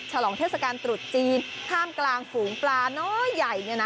ลองเทศกาลตรุษจีนท่ามกลางฝูงปลาน้อยใหญ่